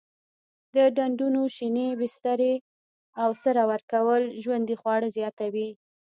د ډنډونو شینې بسترې او سره ورکول ژوندي خواړه زیاتوي.